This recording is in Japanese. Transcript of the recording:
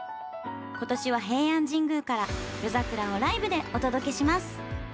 今年は平安神宮から夜桜をライブでお届けします。